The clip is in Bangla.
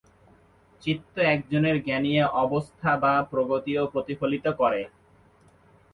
চিত্ত একজনের জ্ঞানীয় অবস্থা/প্রগতিও প্রতিফলিত করে।